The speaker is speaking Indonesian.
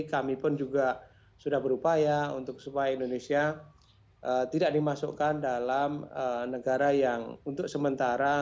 kami pun juga sudah berupaya untuk supaya indonesia tidak dimasukkan dalam negara yang untuk sementara